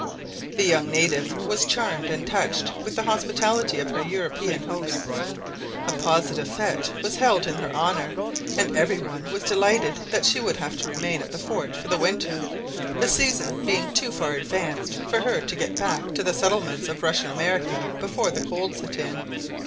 The young native was charmed and touched with the hospitality of her European hosts. A positive fête was held in her honour and every one was delighted that she would have to remain at the fort for the winter, the season being too far advanced for her to get back to the settlements of Russian America before the cold set in.